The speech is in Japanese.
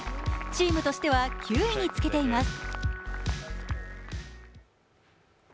チームとしては９位につけています